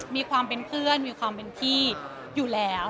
มีความเป็นเพื่อนมีความเป็นพี่อยู่แล้ว